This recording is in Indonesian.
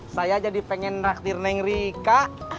saya jadi pengen rakit dengan rika